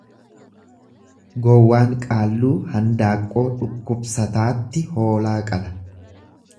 Gowwaan qaalluu handaaqqoo dhukkubsataatti hoolaa qala.